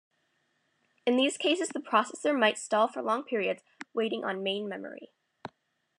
In these cases the processor might stall for long periods, waiting on main memory.